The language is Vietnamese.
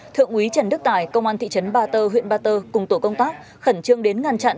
thượng úy trần đức tài công an thị trấn ba tơ huyện ba tơ cùng tổ công tác khẩn trương đến ngăn chặn